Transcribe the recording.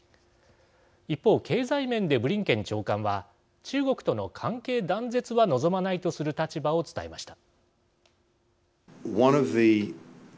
一方経済面でブリンケン長官は中国との関係断絶は望まないとする立場を伝えました。